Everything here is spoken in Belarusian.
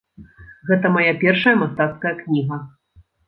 Гэта мая першая мастацкая кніга.